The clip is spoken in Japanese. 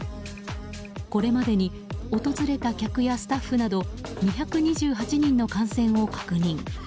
これまでに訪れた客やスタッフなど２２８人の感染を確認。